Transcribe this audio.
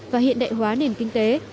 và hiện đại hóa nền kinh tế